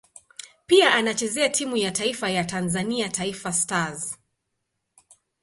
Pia anachezea timu ya taifa ya Tanzania Taifa Stars.